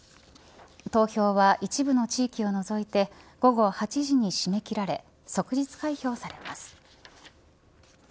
投票は一部の地域を除いて午後８時に締め切られ即日開票されます。